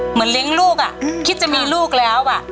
เหมือนเลี้ยงลูกอ่ะคิดจะมีลูกแล้ว